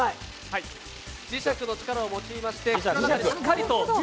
磁石の力を用いましてしっかりと。